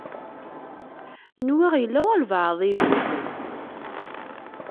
Nwiɣ yella walebɛaḍ i yemmuten.